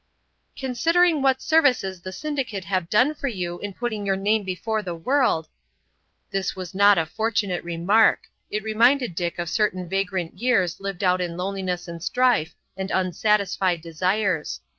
"Considering what services the syndicate have done you in putting your name before the world——" This was not a fortunate remark; it reminded Dick of certain vagrant years lived out in loneliness and strife and unsatisfied desires.